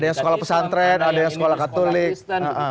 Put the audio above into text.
ada yang sekolah pesantren ada yang sekolah katolik